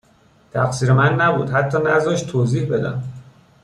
تقصیر من نبود، حتی نذاشت توضیح بدم